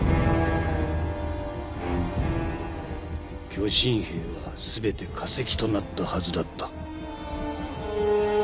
巨神兵は全て化石となったはずだった。